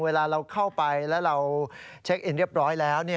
เวลาเราเข้าไปแล้วเราเช็คอินเรียบร้อยแล้ว